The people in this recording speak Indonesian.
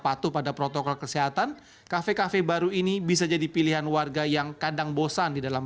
patuh pada protokol kesehatan kafe kafe baru ini bisa jadi pilihan warga yang kadang bosan di dalam